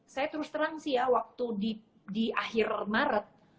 saya terus terang sih ya waktu di akhir maret